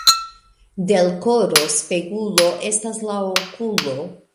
De l' koro spegulo estas la okulo.